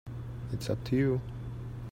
It's up to you.